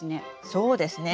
そうですね。